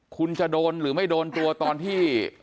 คุณจะโดนหรือไม่โดนตัวตอนที่